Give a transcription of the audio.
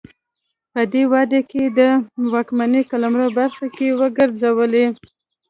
په دې واده کې د واکمنۍ قلمرو برخه وګرځولې.